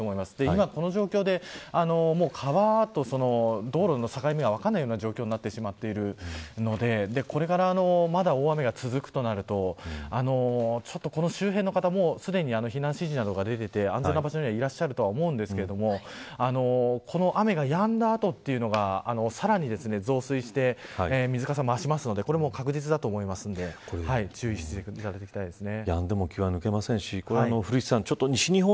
今、この状況で川と道路の境目が分からないような状況になってしまっているのでこれからまだ大雨が続くとなるとこの周辺の方すでに避難指示などが出ていて安全な場所にはいらっしゃると思うんですけどこの雨がやんだ後というのがさらに増水して水かさが増すのでこれは確実だと思いますので注意していただきたいですね。